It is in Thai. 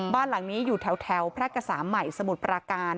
บ้านหลังนี้อยู่แถวแพร่กษาใหม่สมุทรปราการ